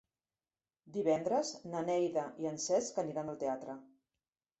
Divendres na Neida i en Cesc aniran al teatre.